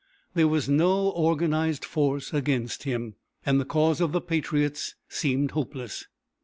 There was no organized force against him, and the cause of the patriots seemed hopeless.